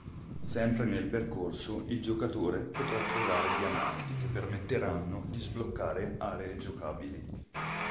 Sempre nel percorso il giocatore potrà trovare diamanti che permetteranno di sbloccare aree giocabili.